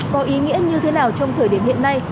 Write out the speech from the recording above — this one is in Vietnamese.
có ý nghĩa như thế nào trong thời điểm hiện nay